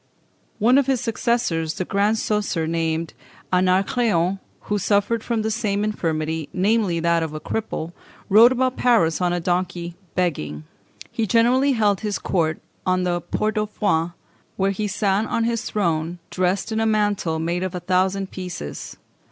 One of his successors, the Grand Coesre surnamed Anacréon, who suffered from the same infirmity, namely, that of a cripple, rode about Paris on a donkey begging. He generally held his court on the Port au Foin, where he sat on his throne dressed in a mantle made of a thousand pieces.